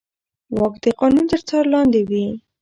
واک د قانون تر څار لاندې وي.